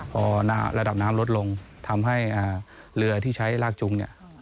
พอระดับน้ำลดลงทำให้เรือที่ใช้ลากจุงเนี่ย